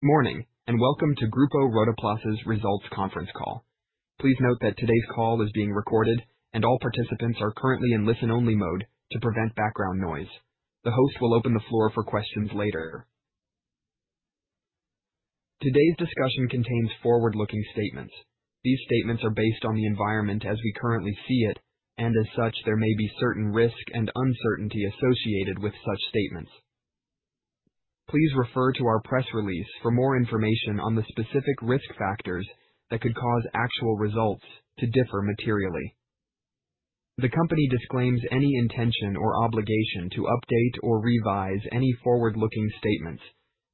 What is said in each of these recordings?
Morning and welcome to Grupo Rotoplas Results conference call. Please note that today's call is being recorded and all participants are currently in listen-only mode to prevent background noise. The host will open the floor for questions later. Today's discussion contains forward-looking statements. These statements are based on the environment as we currently see it, and as such, there may be certain risk and uncertainty associated with such statements. Please refer to our press release for more information on the specific risk factors that could cause actual results to differ materially. The company disclaims any intention or obligation to update or revise any forward-looking statements,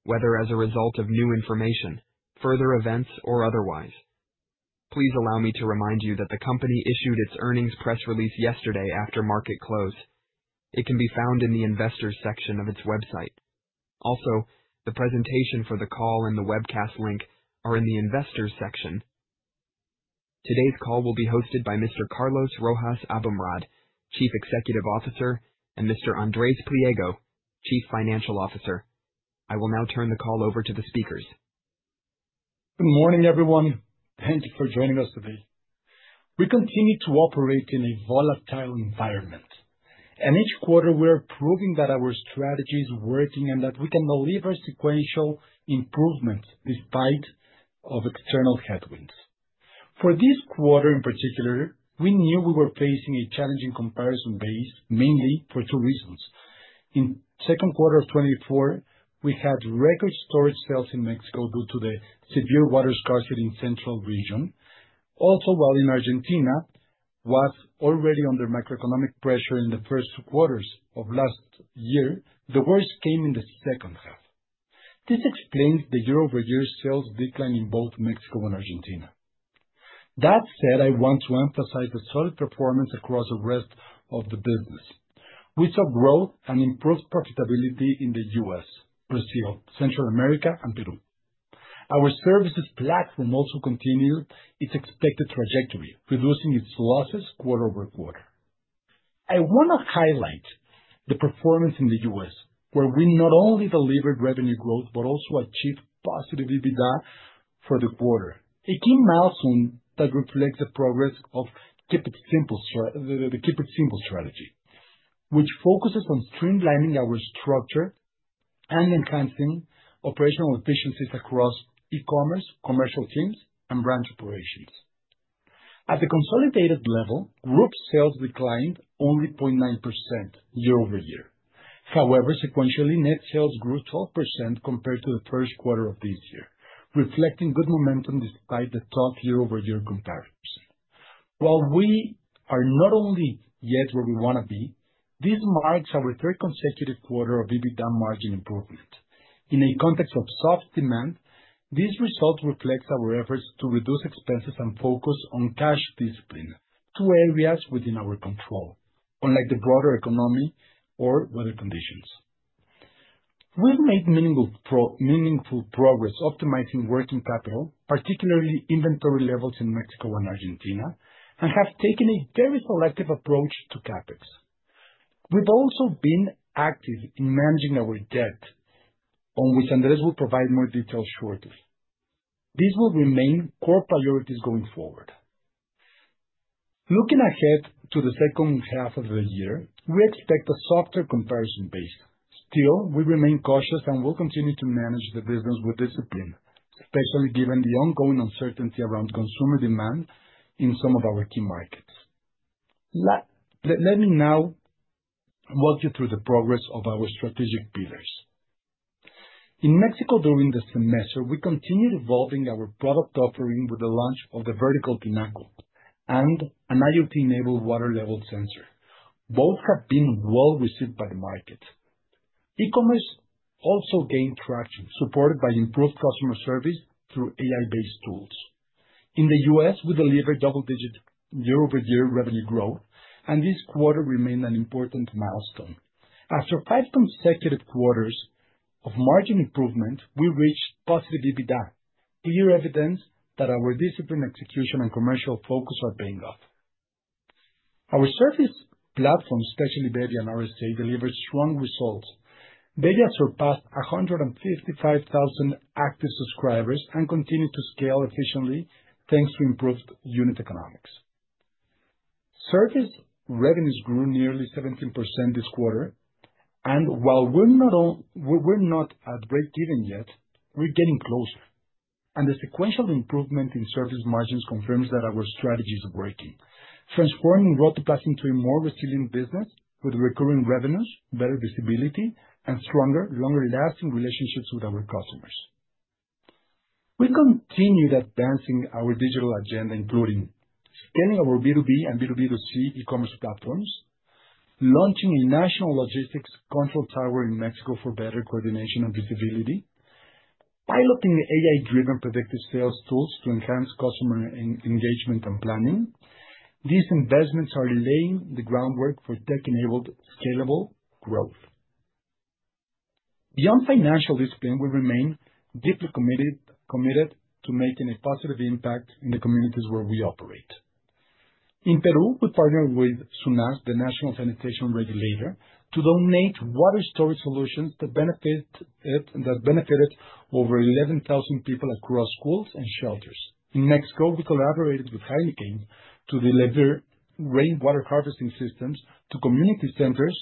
whether as a result of new information, further events, or otherwise. Please allow me to remind you that the company issued its earnings press release yesterday after market close. It can be found in the Investors section of its website. Also, the presentation for the call and the webcast link are in the Investors section. Today's call will be hosted by Mr. Carlos Rojas Aboumrad, Chief Executive Officer, and Mr. Andrés Pliego, Chief Financial Officer. I will now turn the call over to the speakers. Good morning, everyone. Thank you for joining us today. We continue to operate in a volatile environment, and each quarter we are proving that our strategy is working and that we can deliver sequential improvements despite external headwinds. For this quarter in particular, we knew we were facing a challenging comparison base, mainly for two reasons. In the second quarter of 2024, we had record storage sales in Mexico due to the severe water scarcity in the Central Region. Also, while Argentina was already under macroeconomic pressure in the first two quarters of last year, the worst came in the second half. This explains the year-over-year sales decline in both Mexico and Argentina. That said, I want to emphasize the solid performance across the rest of the business. We saw growth and improved profitability in the U.S., Brazil, Central America, and Peru. Our services platform also continued its expected trajectory, reducing its losses quarter-over-quarter. I want to highlight the performance in the U.S., where we not only delivered revenue growth but also achieved positive EBITDA for the quarter, a key milestone that reflects the progress of the Keep It Simple strategy, which focuses on streamlining our structure and enhancing operational efficiencies across e-commerce, commercial teams, and branch operations. At the consolidated level, group sales declined only 0.9% year-over-year. However, sequentially, net sales grew 12% compared to the first quarter of this year, reflecting good momentum despite the soft year-over-year comparisons. While we are not yet where we want to be, this marks our third consecutive quarter of EBITDA margin improvement. In a context of soft demand, these results reflect our efforts to reduce expenses and focus on cash discipline, two areas within our control, unlike the broader economy or weather conditions. We've made meaningful progress optimizing working capital, particularly inventory levels in Mexico and Argentina, and have taken a very selective approach to CapEx. We've also been active in managing our debt, on which Andrés will provide more details shortly. These will remain core priorities going forward. Looking ahead to the second half of the year, we expect a softer comparison base. Still, we remain cautious and will continue to manage the business with discipline, especially given the ongoing uncertainty around consumer demand in some of our key markets. Let me now walk you through the progress of our strategic pillars. In Mexico, during the semester, we continued evolving our product offering with the launch of the vertical binocular and an IoT-enabled water level sensor. Both have been well received by the market. E-commerce also gained traction, supported by improved customer service through AI-based tools. In the U.S., we delivered double-digit year-over-year revenue growth, and this quarter remained an important milestone. After five consecutive quarters of margin improvement, we reached positive EBITDA, clear evidence that our disciplined execution and commercial focus are paying off. Our service platform, especially bebbia and RSA, delivered strong results. Bebbia surpassed 155,000 active subscribers and continued to scale efficiently thanks to improved unit economics. Service revenues grew nearly 17% this quarter, and while we're not at break-even yet, we're getting closer. The sequential improvement in service margins confirms that our strategy is working, transforming Grupo Rotoplas. into a more resilient business with recurring revenues, better visibility, and stronger, longer-lasting relationships with our customers. We continued advancing our digital agenda, including scaling our B2B e-commerce platform and B2B2C e-commerce platform, launching a national logistics control tower in Mexico for better coordination and visibility, and piloting the AI-driven predictive sales tools to enhance customer engagement and planning. These investments are laying the groundwork for tech-enabled scalable growth. Beyond financial discipline, we remain deeply committed to making a positive impact in the communities where we operate. In Peru, we partnered with SUNASS, the national sanitation regulator, to donate water storage solutions that benefited over 11,000 people across schools and shelters. In Mexico, we collaborated with HYDEPAIN to deliver rainwater harvesting systems to community centers,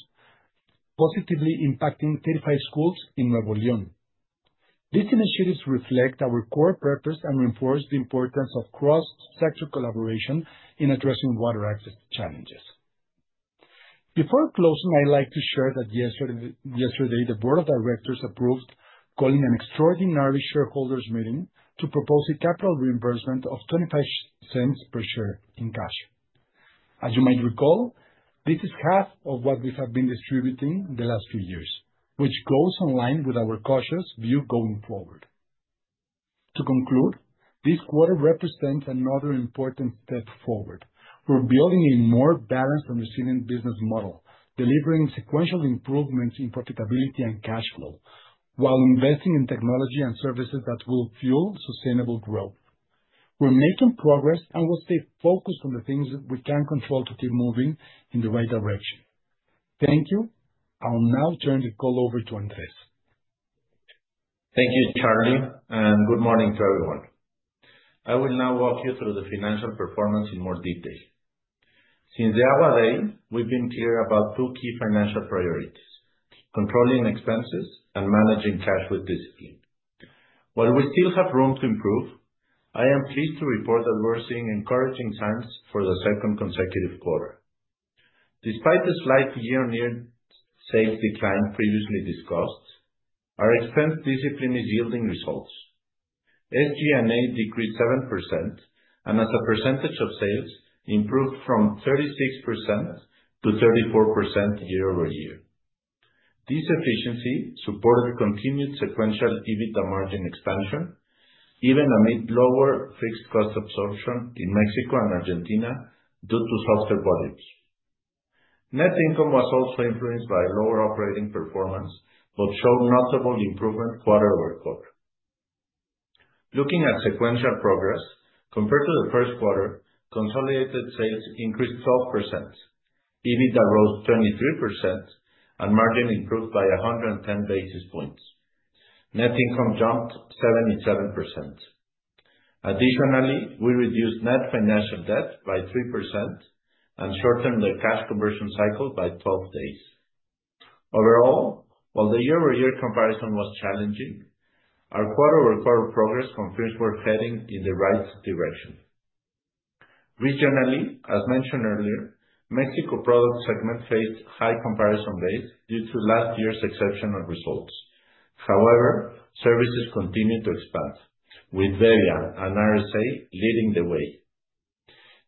positively impacting 35 schools in Nuevo León. These initiatives reflect our core purpose and reinforce the importance of cross-sector collaboration in addressing water access challenges. Before closing, I'd like to share that yesterday, the board of directors approved calling an extraordinary shareholders' meeting to propose a capital reimbursement of $0.25 per share in cash. As you might recall, this is half of what we have been distributing in the last few years, which goes in line with our cautious view going forward. To conclude, this quarter represents another important step forward. We're building a more balanced and resilient business model, delivering sequential improvements in profitability and cash flow, while investing in technology and services that will fuel sustainable growth. We're making progress and will stay focused on the things we can control to keep moving in the right direction. Thank you. I'll now turn the call over to Andrés Pliego. Thank you, Charlie, and good morning to everyone. I will now walk you through the financial performance in more detail. Since the aquadrain, we've been clear about two key financial priorities: controlling expenses and managing cash with discipline. While we still have room to improve, I am pleased to report that we're seeing encouraging signs for the second consecutive quarter. Despite the slight year-on-year sales decline previously discussed, our expense discipline is yielding results. SG&A decreased 7%, and as a percentage of sales, improved from 36% to 34% year-over-year. This efficiency supported a continued seque`ntial EBITDA margin expansion, even amid lower fixed cost absorption in Mexico and Argentina due to softer budgets. Net income was also improved by lower operating performance, which showed notable improvement quarter-over-quarter. Looking at sequential progress, compared to the first quarter, consolidated sales increased 12%, EBITDA rose 23%, and margin improved by 110 basis points. Net income jumped 77%. Additionally, we reduced net financial debt by 3% and shortened the cash conversion cycle by 12 days. Overall, while the year-over-year comparison was challenging, our quarter-over-quarter progress confirms we're heading in the right direction. Regionally, as mentioned earlier, Mexico product segment faced high comparison base due to last year's exceptional results. However, services continue to expand, with bebbia and RSA leading the way.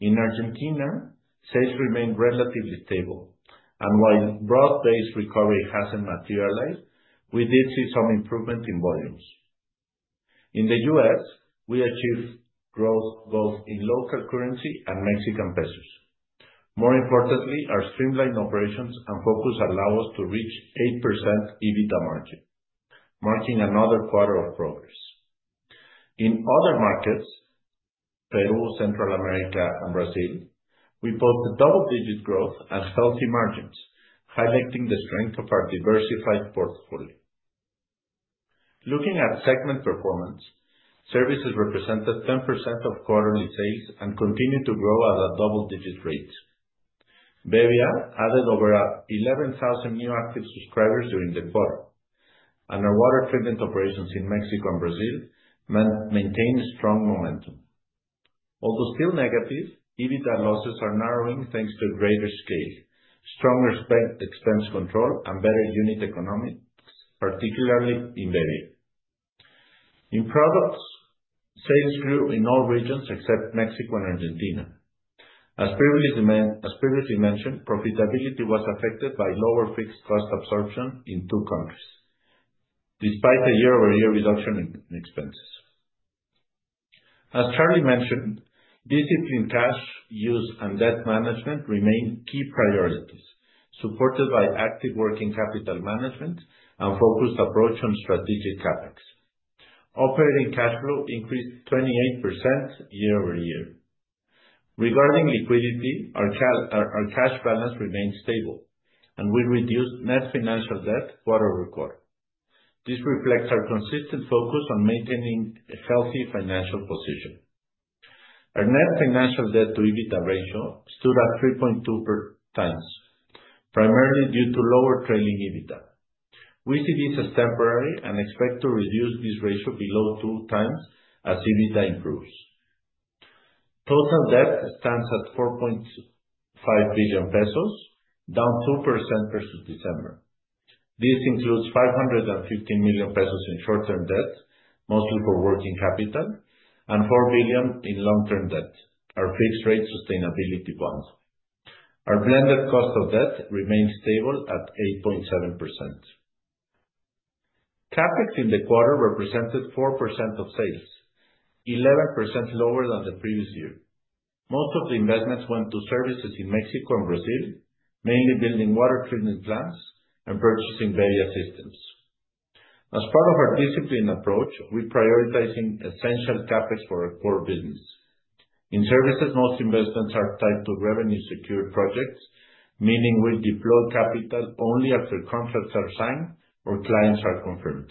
In Argentina, sales remained relatively stable, and while broad-based recovery hasn't materialized, we did see some improvement in volumes. In the U.S., we achieved growth both in local currency and Mexican pesos. More importantly, our streamlined operations and focus allow us to reach 8% EBITDA margin, marking another quarter of progress. In other markets, Peru, Central America, and Brazil, we pulled double-digit growth and healthy margins, highlighting the strength of our diversified portfolio. Looking at segment performance, services represented 10% of quarterly sales and continued to grow at a double-digit rate. Bebbia added over 11,000 new active subscribers during the quarter, and our water treatment operations in Mexico and Brazil maintained strong momentum. Although still negative, EBITDA losses are narrowing thanks to greater scale, stronger expense control, and better unit economics, particularly in bebbia. In product, sales grew in all regions except Mexico and Argentina. As previously mentioned, profitability was affected by lower fixed cost absorption in two countries, despite the year-over-year reduction in expenses. As Charlie mentioned, disciplined cash use and debt management remain key priorities, supported by active working capital management and a focused approach on strategic CapEx. Operating cash flow increased 28% year-over-year. Regarding liquidity, our cash balance remains stable, and we reduced net financial debt quarter-over-quarter. This reflects our consistent focus on maintaining a healthy financial position. Our net financial debt-to-EBITDA ratio stood at 3.2x, primarily due to lower trailing EBITDA. We see this as temporary and expect to reduce this ratio below 2x as EBITDA improves. Total debt stands at 4.5 billion pesos, down 2% versus December. This includes 515 million pesos in short-term debts, mostly for working capital, and 4 billion in long-term debts, our fixed-rate sustainability plans. Our blended cost of debt remains stable at 8.7%. CapEx in the quarter represented 4% of sales, 11% lower than the previous year. Most of the investments went to services in Mexico and Brazil, mainly building water treatment plants and purchasing bebbia systems. As part of our disciplined approach, we're prioritizing essential CapEx for our core business. In services, most investments are tied to revenue-secured projects, meaning we'll deploy capital only after contracts are signed or clients are confirmed.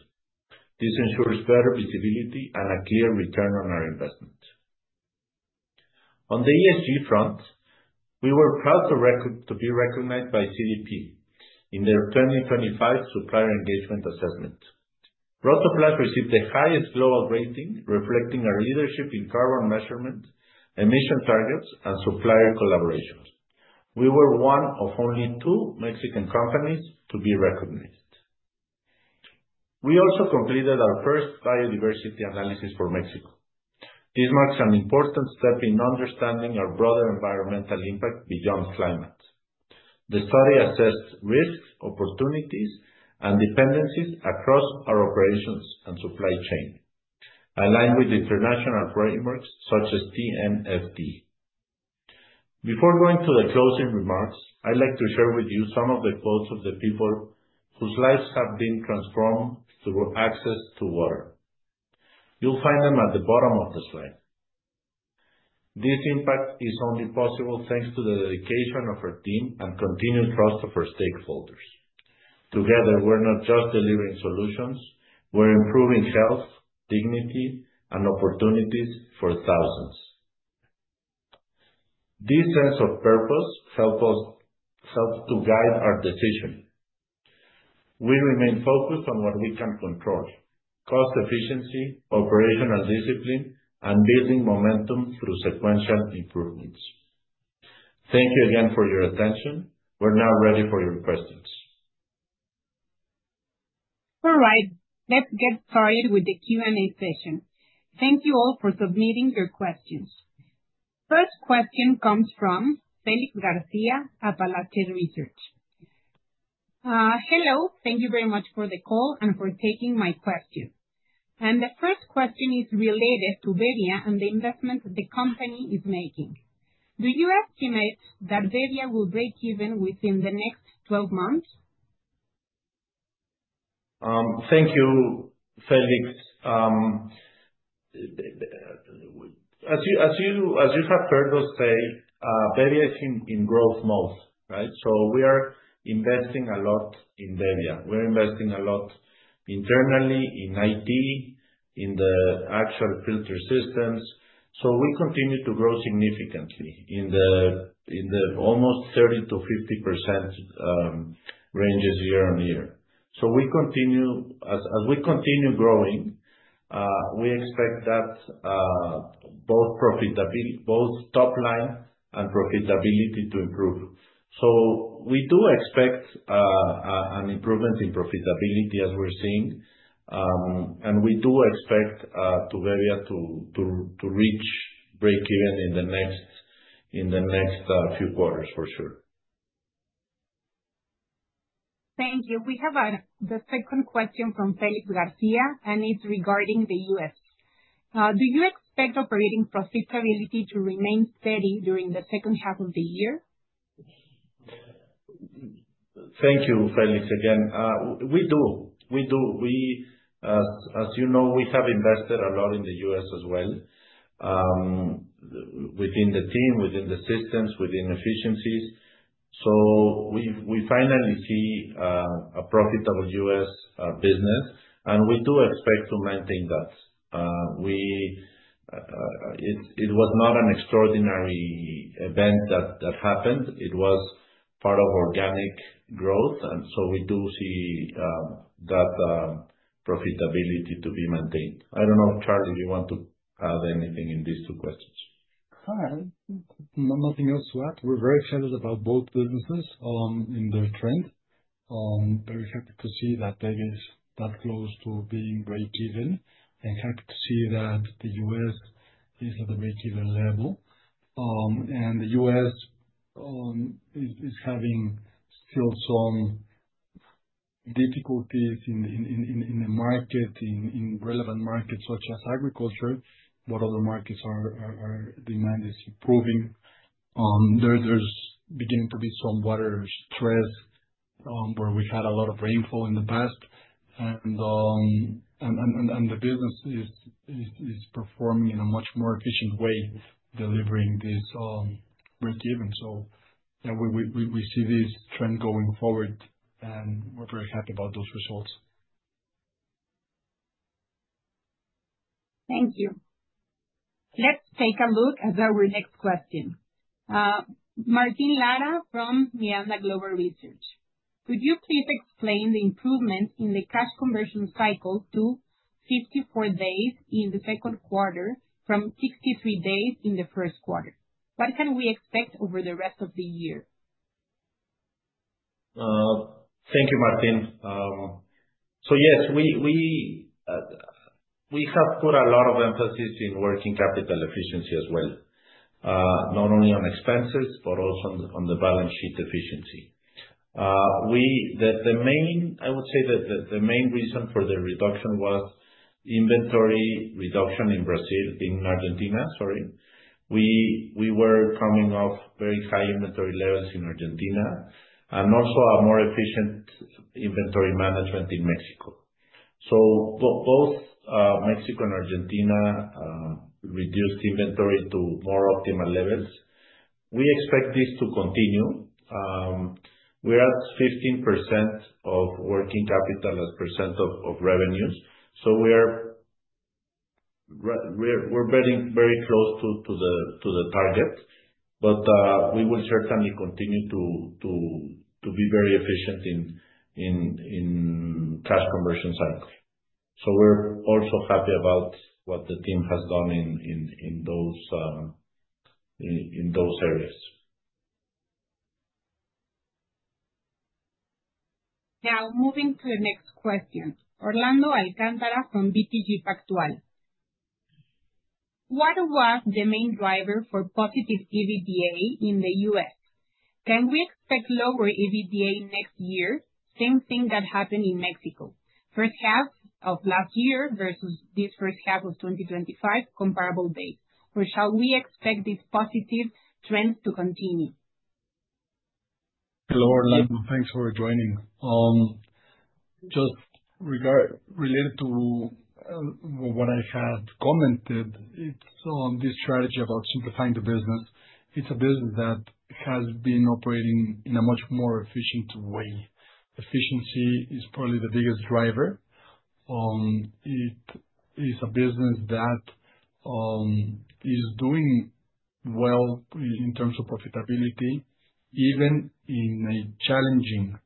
This ensures better visibility and a clear return on our investment. On the ESG front, we were proud to be recognized by CDP in their 2025 Supplier Engagement Assessment. Rotoplas received the highest global rating, reflecting our leadership in carbon measurement, emission targets, and supplier collaboration. We were one of only two Mexican companies to be recognized. We also completed our first biodiversity analysis for Mexico. This marks an important step in understanding our broader environmental impact beyond climate. The study assessed risks, opportunities, and dependencies across our operations and supply chain, aligned with international frameworks such as TNFD. Before going to the closing remarks, I'd like to share with you some of the quotes of the people whose lives have been transformed through access to water. You'll find them at the bottom of the slide. This impact is only possible thanks to the dedication of our team and continued trust of our stakeholders. Together, we're not just delivering solutions, we're improving health, dignity, and opportunities for thousands. This sense of purpose helps to guide our decision. We remain focused on what we can control: cost efficiency, operational discipline, and building momentum through sequential improvements. Thank you again for your attention. We're now ready for your questions. All right. Let's get started with the Q&A session. Thank you all for submitting your questions. The first question comes from Félix García at Alaska Research. Hello. Thank you very much for the call and for taking my question. The first question is related to bebbia and the investment that the company is making. Do you estimate that bebbia will break even within the next 12 months? Thank you, Félix. As you have heard us say, bebbia is in growth mode, right? We are investing a lot in bebbia. We're investing a lot internally in IT, in the actual filter systems. We continue to grow significantly in the almost 30%-50% ranges year on year. As we continue growing, we expect that both top line and profitability to improve. We do expect an improvement in profitability as we're seeing, and we do expect bebbia to reach break even in the next few quarters, for sure. Thank you. We have the second question from Félix García, and it's regarding the U.S. Do you expect operating profitability to remain steady during the second half of the year? Thank you, Félix, again. As you know, we have invested a lot in the U.S. as well, within the team, within the systems, within efficiencies. We finally see a profitable U.S. business, and we do expect to maintain that. It was not an extraordinary event that happened. It was part of organic growth. We do see that profitability to be maintained. I don't know, Charlie, if you want to add anything in these two questions. Nothing else to add. We're very excited about both businesses in their trend. I'm very happy to see that bebbia is that close to being break even, and happy to see that the U.S. is at the break-even level. The U.S. is having still some difficulties in the market, in relevant markets such as agriculture. What other markets are demanding is improving. There's beginning to be some water stress where we had a lot of rainfall in the past. The business is performing in a much more efficient way, delivering this break even. We see this trend going forward, and we're very happy about those results. Thank you. Let's take a look at our next question. Martín Lara from Miranda Global Research. Could you please explain the improvement in the cash conversion cycle to 54 days in the second quarter from 63 days in the first quarter? What can we expect over the rest of the year? Thank you, Martín. Yes, we have put a lot of emphasis in working capital efficiency as well, not only on expenses, but also on the balance sheet efficiency. I would say that the main reason for the reduction was inventory reduction in Argentina. We were coming off very high inventory levels in Argentina and also a more efficient inventory management in Mexico. Both Mexico and Argentina reduced inventory to more optimal levels. We expect this to continue. We're at 15% of working capital as percent of revenues. We're very close to the targets, but we will certainly continue to be very efficient in cash conversion cycles. We're also happy about what the team has done in those areas. Now, moving to the next question. Orlando Alcántara from BTG Pactual. What was the main driver for positive EBITDA in the U.S.? Can we expect lower EBITDA next year, same thing that happened in Mexico? First half of last year versus this first half of 2025, comparable date. Or shall we expect this positive trend to continue? Hello, Orlando. Thanks for joining. Just related to what I had commented on this strategy about simplifying the business, it's a business that has been operating in a much more efficient way. Efficiency is probably the biggest driver. It is a business that is doing well in terms of profitability, even in a challenging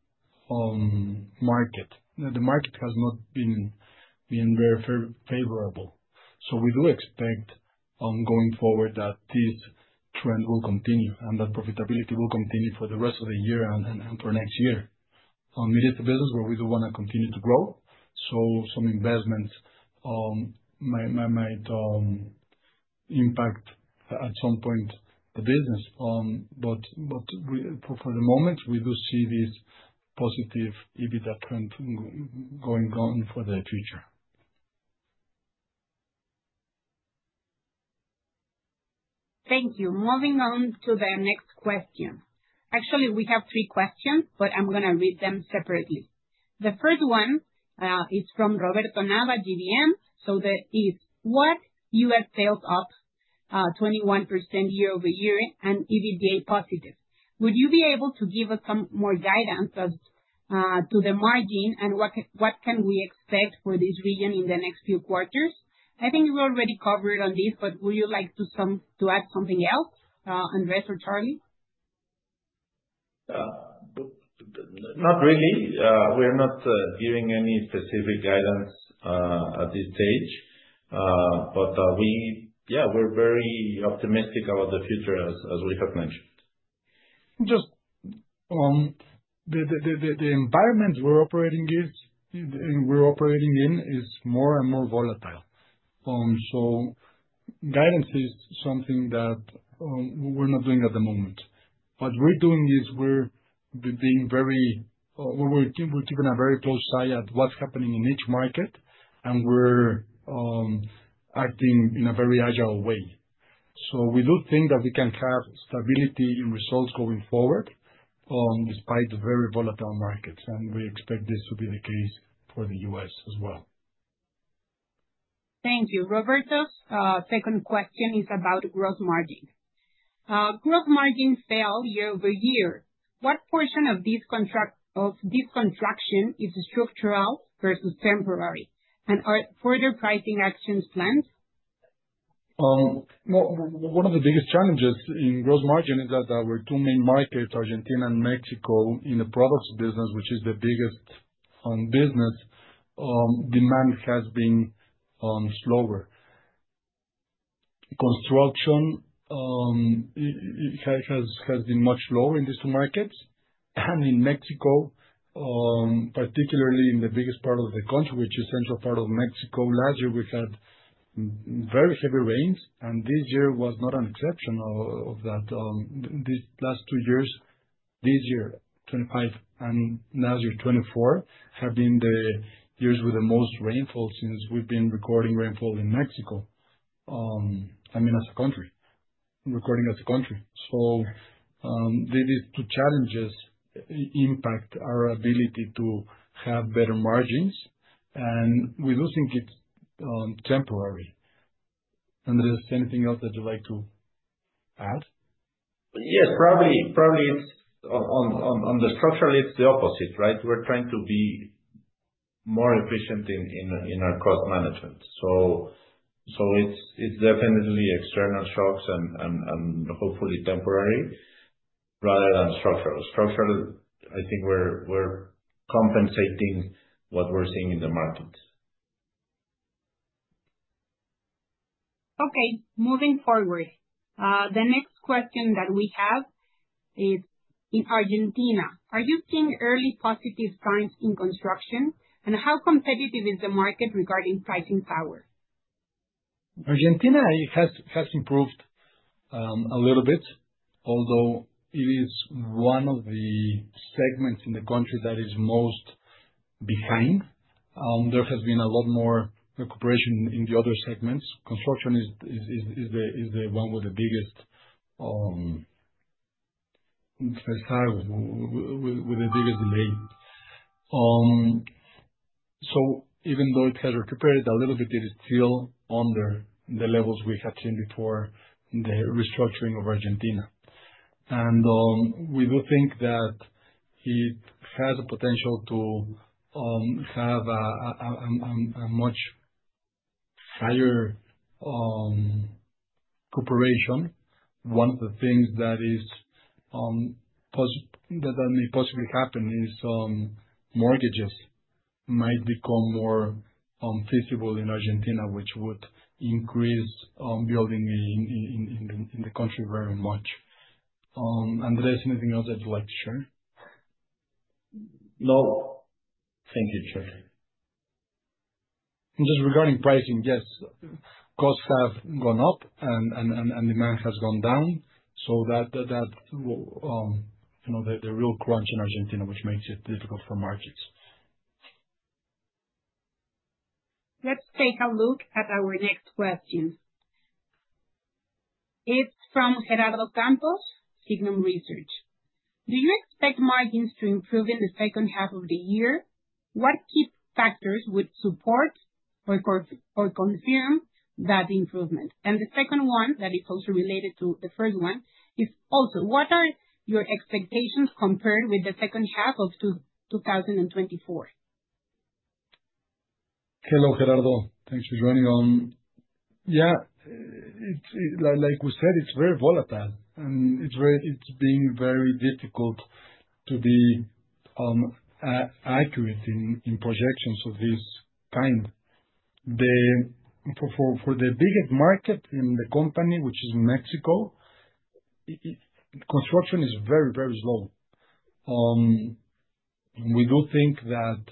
market. The market has not been very favorable. We do expect going forward that this trend will continue and that profitability will continue for the rest of the year and for next year. It is a business where we do want to continue to grow. Some investments might impact at some point the business. For the moment, we do see this positive EBITDA trend going on for the future. Thank you. Moving on to the next question. Actually, we have three questions, but I'm going to read them separately. The first one is from Roberto Nava GDM. That is, with U.S. sales up 21% year-over-year and EBITDA positive, would you be able to give us some more guidance as to the margin and what can we expect for this region in the next few quarters? I think we've already covered on this, but would you like to add something else, Andrés or Charlie? Not really. We're not giving any specific guidance at this stage, but yeah, we're very optimistic about the future, as we have mentioned. The environment we're operating in is more and more volatile. Guidance is something that we're not doing at the moment. What we're doing is we're keeping a very close eye at what's happening in each market, and we're acting in a very agile way. We do think that we can have stability in results going forward despite the very volatile markets. We expect this to be the key for the U.S. as well. Thank you. Roberto's second question is about the gross margin. Gross margin fell year-over-year. What portion of this contraction is structural versus temporary? Are further pricing actions planned? One of the biggest challenges in gross margin is that our two main markets, Argentina and Mexico, in the products business, which is the biggest fund business, demand has been slower. Construction has been much lower in these two markets. In Mexico, particularly in the biggest part of the country, which is the central part of Mexico, last year we've had very heavy rains, and this year was not an exception of that. These last two years, this year 2025 and last year 2024, have been the years with the most rainfall since we've been recording rainfall in Mexico, I mean, as a country, recording as a country. These two challenges impact our ability to have better margins, and we do think it's temporary. Andrés, anything else that you'd like to add? Yes, probably. On the structural, it's the opposite, right? We're trying to be more efficient in our cost management. It's definitely external shocks and hopefully temporary rather than structural. Structural, I think we're compensating what we're seeing in the market. Okay. Moving forward, the next question that we have is in Argentina. Are you seeing early positive signs in construction? How competitive is the market regarding pricing power? Argentina has improved a little bit, although it is one of the segments in the country that is most behind. There has been a lot more preparation in the other segments. Construction is the one with the biggest delay. Even though it has recuperated a little bit, it is still under the levels we have seen before the restructuring of Argentina. We do think that it has a potential to have a much clearer operation. One of the things that may possibly happen is mortgages might become more feasible in Argentina, which would increase building in the country very much. Andrés, anything else that you'd like to share? No, thank you, Charlie. Just regarding pricing, yes, costs have gone up and demand has gone down. That's the real crunch in Argentina, which makes it difficult for markets. Let's take a look at our next question. It's from Gerardo Campos, Signum Research. Do you expect margins to improve in the second half of the year? What key factors would support or confirm that improvement? The second one that is also related to the first one is, what are your expectations compared with the second half of 2024? Hello, Gerardo. Thanks for joining. Like we said, it's very volatile and it's been very difficult to be accurate in projections of this kind. For the biggest market in the company, which is Mexico, construction is very, very slow. We do think that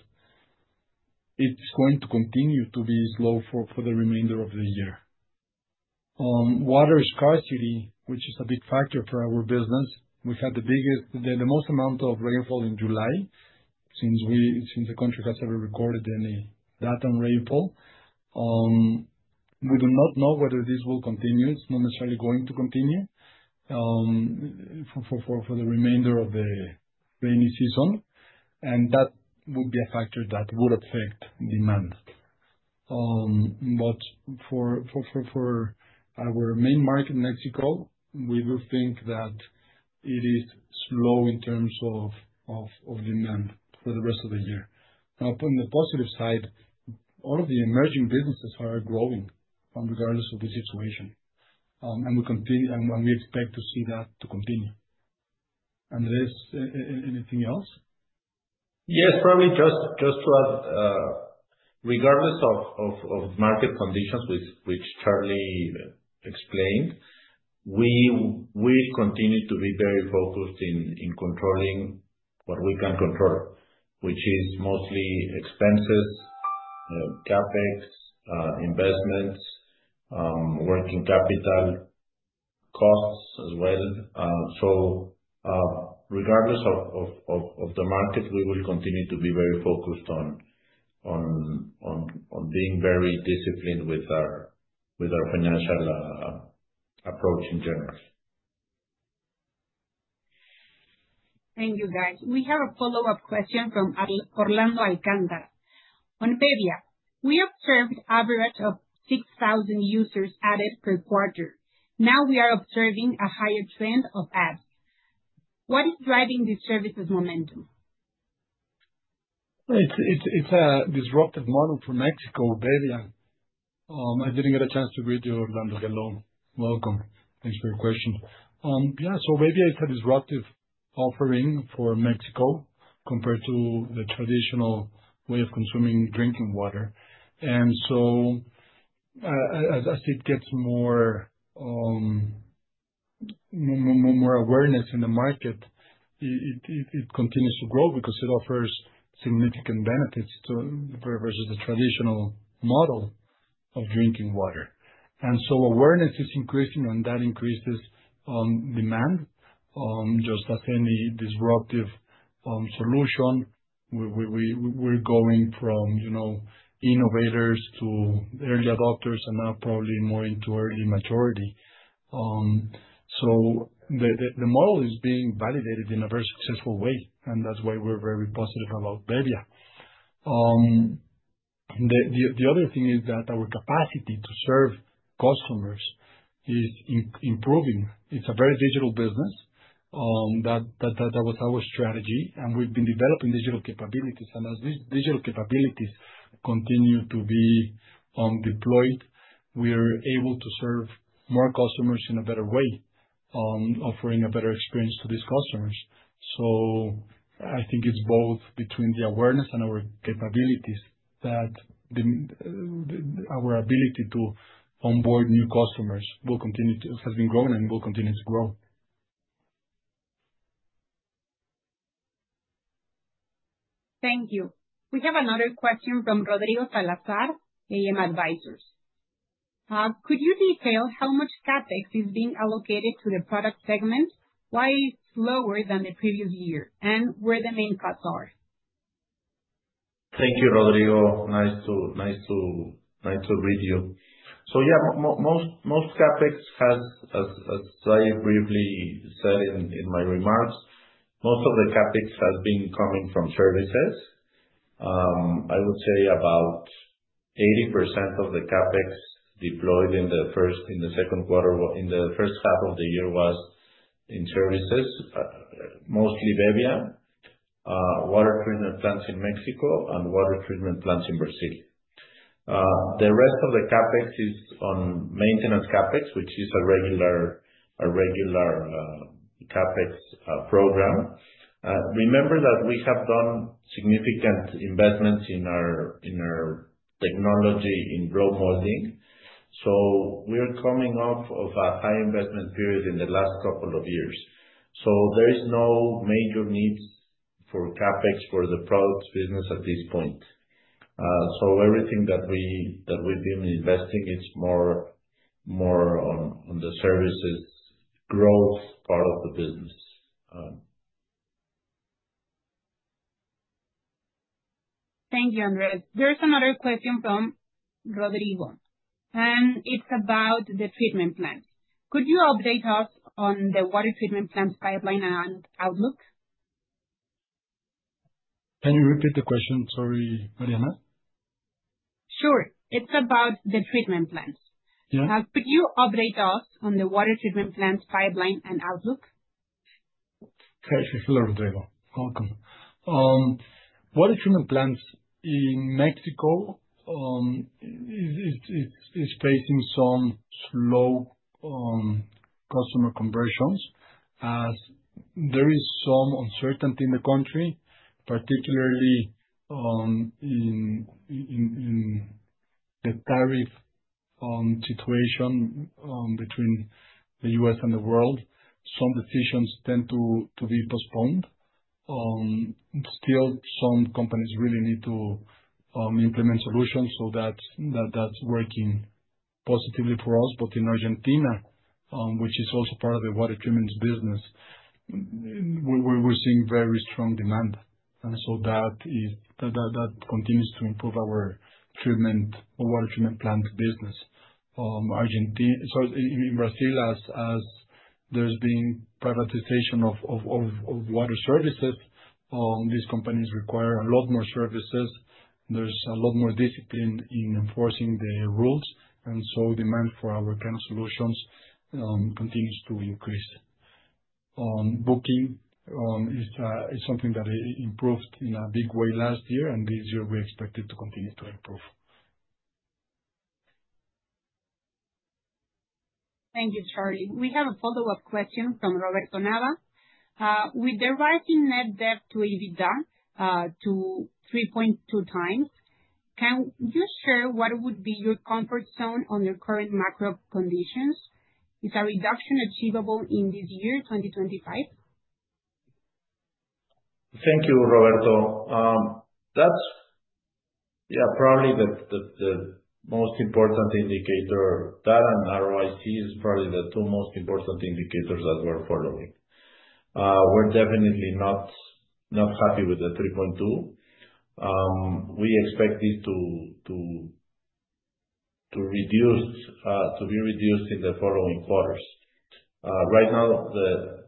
it's going to continue to be slow for the remainder of the year. Water scarcity, which is a big factor for our business, we've had the biggest, the most amount of rainfall in July since the country has ever recorded any data on rainfall. We do not know whether this will continue. It's not necessarily going to continue for the remainder of the rainy season. That would be a factor that would affect demand. For our main market, Mexico, we do think that it is slow in terms of demand for the rest of the year. On the positive side, all of the emerging businesses are growing regardless of the situation. We continue and we expect to see that to continue. Andrés, anything else? Yes, probably just to add, regardless of the market conditions, which Charlie explained, we continue to be very focused in controlling what we can control, which is mostly expenses, CapEx, investments, working capital costs as well. Regardless of the markets, we will continue to be very focused on being very disciplined with our financial approach in general. Thank you, guys. We have a follow-up question from Orlando Alcántara. On bebbia, we have served an average of 6,000 users added per quarter. Now we are observing a higher trend of ads. What is driving the services momentum? It's a disruptive model for Mexico, bebbia. I didn't get a chance to read you, Orlando. Hello. Welcome. Thanks for your question. Yeah, so bebbia is a disruptive offering for Mexico compared to the traditional way of consuming drinking water. As it gets more awareness in the market, it continues to grow because it offers significant benefits versus the traditional model of drinking water. Awareness is increasing, and that increases demand. Just as any disruptive solution, we're going from, you know, innovators to early adopters and now probably more into early maturity. The model is being validated in a very successful way, and that's why we're very positive about bebbia. The other thing is that our capacity to serve customers is improving. It's a very digital business. That was our strategy, and we've been developing digital capabilities. As these digital capabilities continue to be deployed, we are able to serve more customers in a better way, offering a better experience to these customers. I think it's both between the awareness and our capabilities that our ability to onboard new customers has been growing and will continue to grow. Thank you. We have another question from Rodrigo Salazar, AM Advisors. Could you detail how much CapEx is being allocated to the product segment? Why is it slower than the previous year? Where are the main cuts? Thank you, Rodrigo. Nice to read you. Most CapEx has, as I briefly said in my remarks, most of the CapEx has been coming from services. I would say about 80% of the CapEx deployed in the first in the second quarter, in the first half of the year, was in services, mostly bebbia, water treatment plants in Mexico, and water treatment plants in Brazil. The rest of the CapEx is on maintenance CapEx, which is a regular CapEx program. Remember that we have done significant investments in our technology in row holding. We're coming off of a high investment period in the last couple of years. There is no major need for CapEx for the products business at this point. Everything that we've been investing is more on the services growth part of the business. Thank you, Andrés. There's another question from Rodrigo. It's about the water treatment plants. Could you update us on the water treatment plants' pipeline and outlook? Can you repeat the question? Sorry, Mariana. Sure. It's about the water treatment plants. Could you update us on the water treatment plants' pipeline and outlook? Hi, hello, Rodrigo. Welcome. Water treatment plants in Mexico are facing some slow customer conversions, as there is some uncertainty in the country, particularly in the tariff situation between the U.S. and the world. Some decisions tend to be postponed. Still, some companies really need to implement solutions, so that's working positively for us. In Argentina, which is also part of the water treatment business, we're seeing very strong demand, and that continues to improve our treatment or water treatment plant business. In Brazil, as there's been privatization of water services, these companies require a lot more services. There's a lot more discipline in enforcing the rules, and demand for our kind of solutions continues to increase. Booking is something that improved in a big way last year, and this year, we expect it to continue to improve. Thank you, Charlie. We have a follow-up question from Roberto Nava. With the rising net debt-to-EBITDA to 3.2 times, can you share what would be your comfort zone on your current macro conditions? Is a reduction achievable in this year, 2025? Thank you, Roberto. That's probably the most important indicator. Data and ROIC are probably the two most important indicators that we're following. We're definitely not happy with the 3.2. We expect this to be reduced in the following quarters. Right now,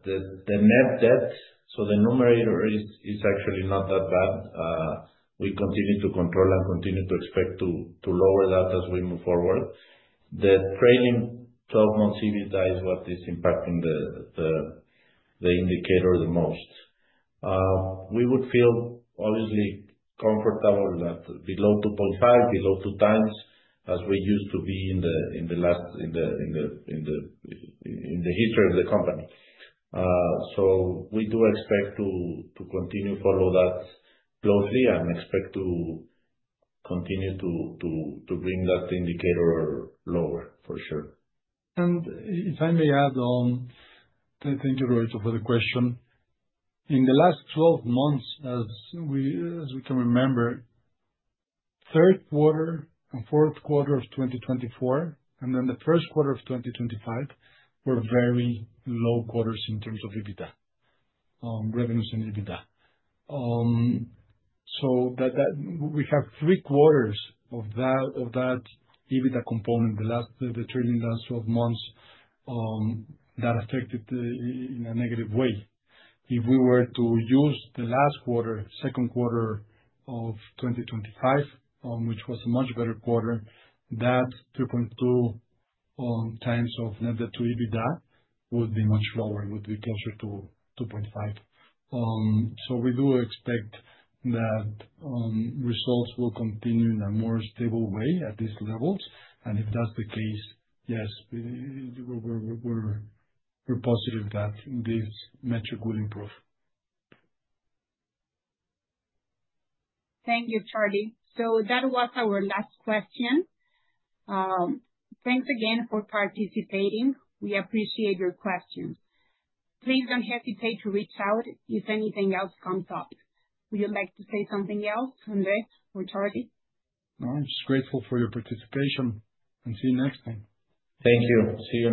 the net debt, so the numerator is actually not that bad. We continue to control and continue to expect to lower that as we move forward. The trailing 12-month EBITDA is what is impacting the indicator the most. We would feel obviously comfortable at below 2.5, below two times as we used to be in the history of the company. We do expect to continue to follow that closely and expect to continue to bring that indicator lower, for sure. Thank you, Roberto, for the question. In the last 12 months, as we can remember, third quarter and fourth quarter of 2024, and then the first quarter of 2025 were very low quarters in terms of EBITDA, revenues and EBITDA. We have three quarters of that EBITDA component in the trailing last 12 months that affected in a negative way. If we were to use the last quarter, second quarter of 2025, which was a much better quarter, that 2.2 times of net debt-to-EBITDA would be much lower. It would be closer to 2.5. We do expect that results will continue in a more stable way at these levels. If that's the case, yes, we're positive that this metric will improve. Thank you, Charlie. That was our last question. Thanks again for participating. We appreciate your questions. Please don't hesitate to reach out if anything else comes up. Would you like to say something else, Andrés or Charlie? No, I'm just grateful for your participation and see you next time. Thank you. See you.